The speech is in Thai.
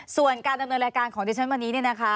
ส่วนการดำเนินรายการของดิฉันวันนี้เนี่ยนะคะ